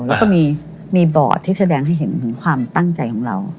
แล้วก็มีบอร์ดที่แสดงให้เห็นถึงความตั้งใจของเรา